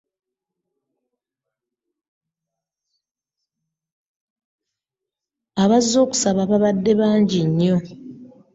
Abazze okusaba baabadde bangi nyo.